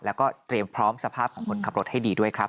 แล้วก็เตรียมพร้อมสภาพของคนขับรถให้ดีด้วยครับ